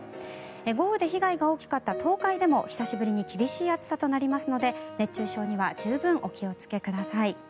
豪雨で被害が大きかった東海でも久しぶりに厳しい暑さとなりますので熱中症には十分お気をつけください。